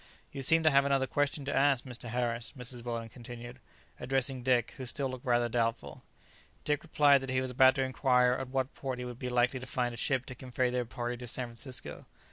"You seem to have another question to ask Mr. Harris," Mrs. Weldon continued, addressing Dick, who still looked rather doubtful. Dick replied that he was about to inquire at what port he would be likely to find a ship to convey their party to San Francisco.